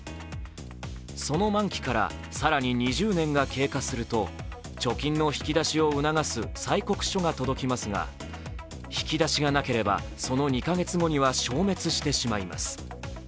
その満期から更に２０年が経過すると貯金の引き出しを促す催告書が届きますが、引き出しがなければその２か月後には消滅してしまいます。